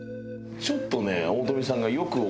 ちょっとね。